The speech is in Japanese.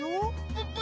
ププ！